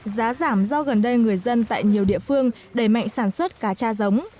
giá giảm do gần đây người dân tại nhiều địa phương đẩy mạnh sản xuất cá cha giống